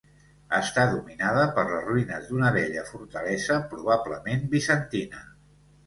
Està dominada per les ruïnes d'una vella fortalesa probablement bizantina.